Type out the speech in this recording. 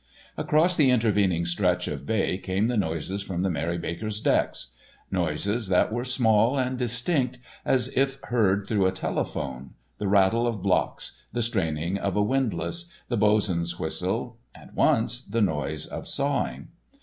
Across the intervening stretch of bay came the noises from the "Mary Baker's" decks—noises that were small and distinct, as if heard through a telephone, the rattle of blocks, the straining of a windlass, the bos'n's whistle, and once the noise of sawing.